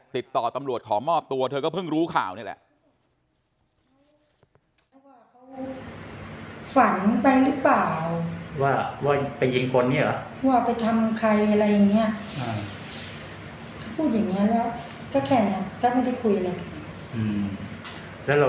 ติดต่อตำรวจขอมอบตัวเธอก็เพิ่งรู้ข่าวนี่แหละ